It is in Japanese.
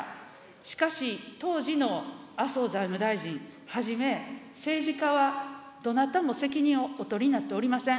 しかし、当時の麻生財務大臣はじめ、政治家はどなたも責任をお取りになっておりません。